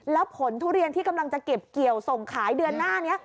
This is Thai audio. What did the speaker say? แล้วผลทุเรียนที่กำลังจะเก็บเกี่ยวส่งขายเดือนหน้านี้